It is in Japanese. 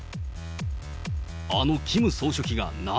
あのキム総書記が涙？